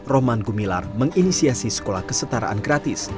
roman gumilar menginisiasi sekolah kesetaraan gratis